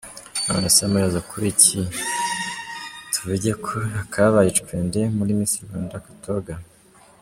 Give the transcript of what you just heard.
Nonese amaherezo kuri iki tuvuge ko akabaye icwende muri Miss Rwanda katoga….